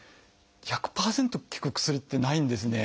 １００％効く薬ってないんですね。